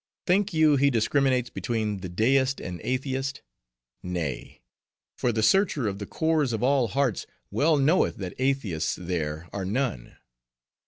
Think you he discriminates between the deist and atheist? Nay; for the Searcher of the cores of all hearts well knoweth that atheists there are none.